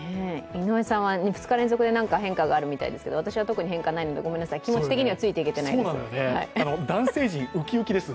井上さんは２日連続で何か変化があるみたいですが私は特に変化ないので、ごめんなさい、気持ち的にはついていけてないんです。